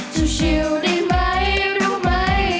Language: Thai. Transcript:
จะชิวได้ไหมรู้ไหม